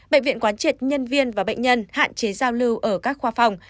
bệnh viện quán triệt nhân viên và bệnh nhân hạn chế giao lưu ở các khoa phòng